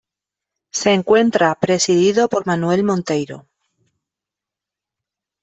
Se encuentra presidido por Manuel Monteiro.